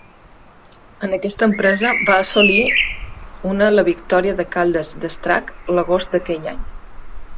En aquesta empresa va assolir una la victòria de Caldes d'Estrac l'agost d'aquell any.